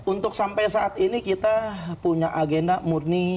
untuk sampai saat ini kita punya agenda murni